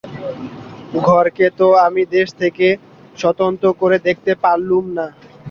ঘরকে তো আমি দেশ থেকে স্বতন্ত্র করে দেখতে পারলুম না।